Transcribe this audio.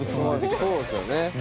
そうですよね。